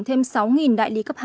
thêm sáu đại lý cấp hai